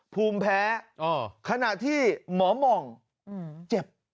ภูมิแพ้ขณะที่หมอหม่องเจ็บ